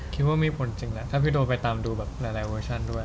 คิดว่ามีผลจริงแล้วถ้าพี่โดไปตามดูแบบหลายเวอร์ชันด้วย